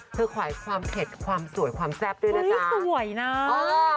จะไขความเผ็ดความสวยความแซ่บด้วยนะจ๊ะ